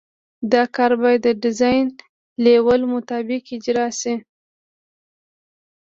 دا کار باید د ډیزاین لیول مطابق اجرا شي